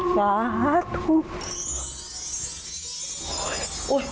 สาหัสทุกข์